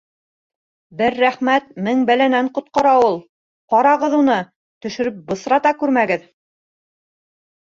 Бер рәхмәт мең бәләнән ҡотҡара ул. Ҡарағыҙ уны, төшөрөп бысрата күрмәгеҙ!